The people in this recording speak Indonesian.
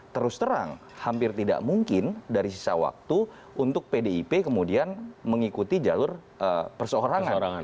terus terang hampir tidak mungkin dari sisa waktu untuk pdip kemudian mengikuti jalur perseorangan